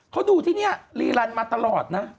เขาดูที่นี่รีลันมาตลอดนะ